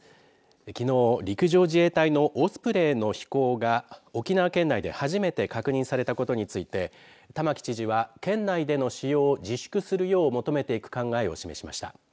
きのう陸上自衛隊のオスプレイの飛行が沖縄県内で初めて確認されたことについて玉城知事は県内での使用を自粛するよう求めていく考えを示しました。